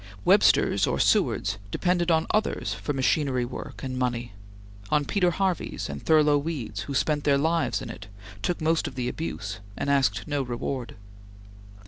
Websters or Sewards depended on others for machine work and money on Peter Harveys and Thurlow Weeds, who spent their lives in it, took most of the abuse, and asked no reward.